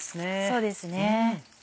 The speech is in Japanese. そうですね。